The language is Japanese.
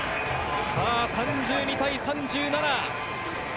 ３２対３７。